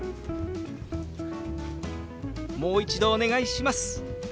「もう一度お願いします」。